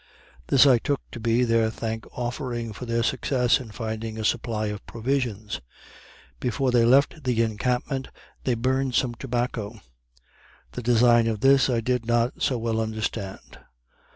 This I took to be their thank offering for their success in finding a supply of provisions. Before they left the encampment they burned some tobacco; the design of this I did not so well understand.